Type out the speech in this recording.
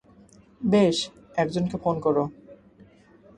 বেশ, একজনকে ফোন করো।